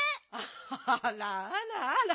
あらあらあら。